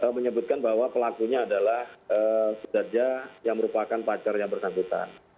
menyebutkan bahwa pelakunya adalah sudarja yang merupakan pacar yang bersangkutan